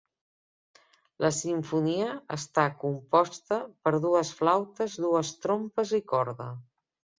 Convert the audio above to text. La simfonia està composta per dues flautes, dues trompes i corda.